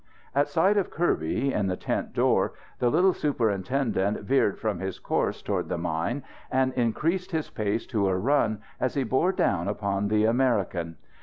At sight of Kirby in the tent door the little superintendent veered from his course toward the mine and increased his pace to a run as he bore down upon the American.